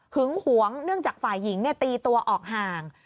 หวงเนื่องจากฝ่ายหญิงตีตัวออกห่าง